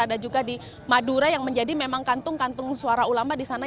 ada juga di madura yang menjadi memang kantung kantung suara ulama di sana